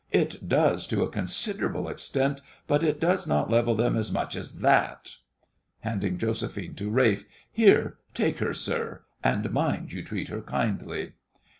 It does to a considerable extent, but it does not level them as much as that. (Handing JOSEPHINE to RALPH.) Here — take her, sir, and mind you treat her kindly.